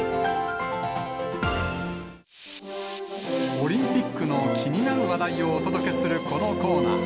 オリンピックの気になる話題をお届けするこのコーナー。